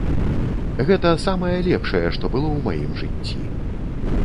Гэта самае лепшае, што было ў маім жыцці.